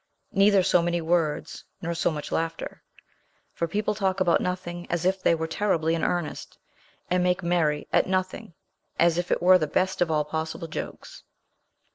Neither so many words, nor so much laughter; for people talk about nothing as if they were terribly in earnest, and make merry at nothing as if it were the best of all possible jokes.